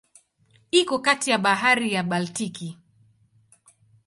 Iko kati ya Bahari ya Baltiki.